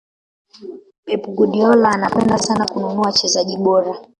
pep guardiola anapenda sana kununua wachezaji bora